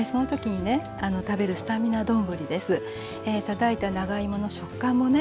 たたいた長芋の食感もね